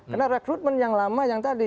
karena rekrutmen yang lama yang tadi